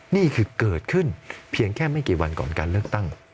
นี่คือเกิดขึ้นเพียงแค่ไม่กี่วันก่อนการเลือกตั้ง